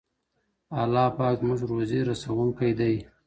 الله پاک زموږ روزي رسونکی دی.